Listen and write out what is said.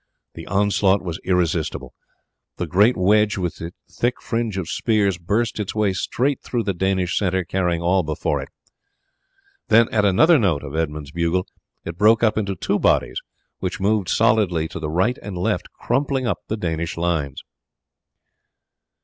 The onslaught was irresistible. The great wedge, with its thick fringe of spears, burst its way straight through the Danish centre carrying all before it. Then at another note of Edmund's bugle it broke up into two bodies, which moved solidly to the right and left, crumpling up the Danish lines.